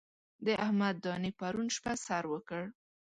د احمد دانې پرون شپه سر وکړ.